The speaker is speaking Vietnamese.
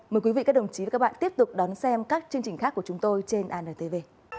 mời quý vị các đồng chí và các bạn tiếp tục đón xem các chương trình khác của chúng tôi trên antv